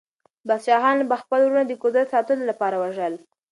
پادشاهانو به خپل وروڼه د قدرت ساتلو لپاره وژل.